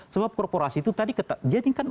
sebab korporasi itu tadi jadi kan